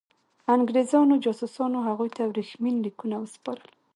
انګرېزانو جاسوسانو هغوی ته ورېښمین لیکونه وسپارل.